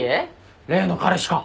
例の彼氏か。